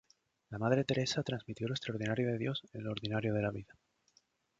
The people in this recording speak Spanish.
La Madre Teresa transmitió lo extraordinario de Dios en lo ordinario de la vida.